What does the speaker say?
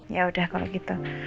ya udah kalau gitu